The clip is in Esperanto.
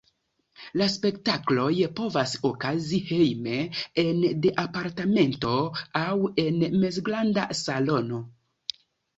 La spektakloj povas okazi hejme, ene de apartamento, aŭ en mezgranda salono.